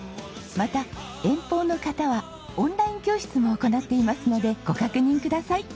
また遠方の方はオンライン教室も行っていますのでご確認ください。